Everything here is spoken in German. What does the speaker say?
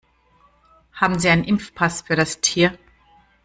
Haben Sie einen Impfpass für das Tier?